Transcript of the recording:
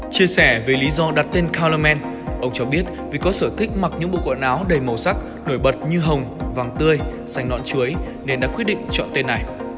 chia sẻ về lý do đặt tên kalaman ông cho biết vì có sở thích mặc những bộ quần áo đầy màu sắc nổi bật như hồng vàng tươi sành nọn chuối nên đã quyết định chọn tên này